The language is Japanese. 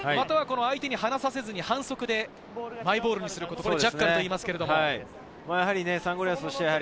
相手に離させずに反則でマイボールにすることをジャッカルといいますが。